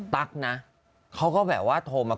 ตั๊กนะเขาก็แบบว่าโทรมา